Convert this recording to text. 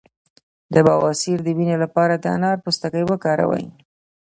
د بواسیر د وینې لپاره د انار پوستکی وکاروئ